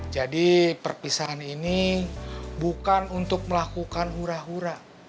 jadi perpisahan ini bukan untuk melakukan hura hura